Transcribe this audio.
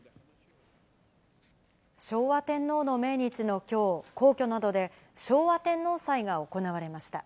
昭和天皇の命日のきょう、皇居などで昭和天皇祭が行われました。